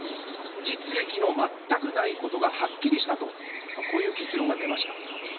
実益の全くないことがはっきりしたと、こういう結論が出ました。